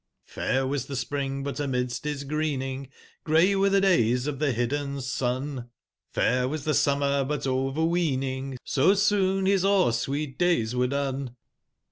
fair was the spring, but amidst his greening Grey were the days of the hidden sun ; 1^5 fair was the summer, but overweening, ^^^ So soon bis o'er/sweet days were done.